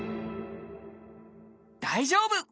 大丈夫！